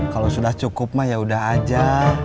kalau sudah cukup mah yaudah aja